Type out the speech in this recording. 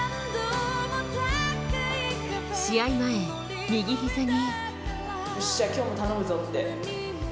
試合前、右ひざに。